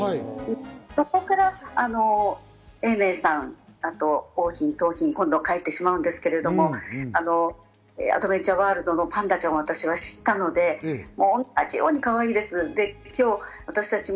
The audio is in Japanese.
そこから永明さん桜浜、桃浜、今度帰ってしまうんですけれども、アドベンチャーワールドのパンダちゃんを私は知ったので、同じようにかわいいです。